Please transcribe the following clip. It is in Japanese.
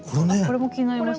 これも気になりました。